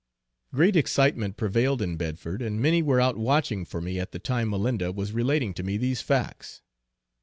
Great excitement prevailed in Bedford, and many were out watching for me at the time Malinda was relating to me these facts.